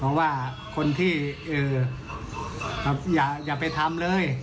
เพราะว่าคนที่อย่าไปทำเลย